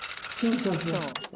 そうそう。